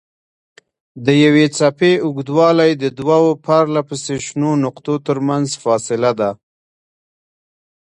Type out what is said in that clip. د یوې څپې اوږدوالی د دوو پرلهپسې شنو نقطو ترمنځ فاصله ده.